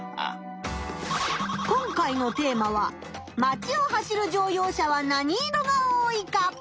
今回のテーマは「まちを走る乗用車は何色が多いか」。